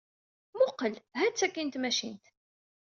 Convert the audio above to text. Mmuqqel! Hat-tt akkin tmacint!